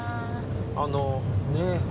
あのねっ？